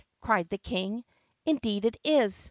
cried the King. "Indeed it is!"